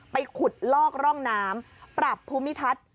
ไปขุดลอกร่องน้ำปรับภูมิทัศน์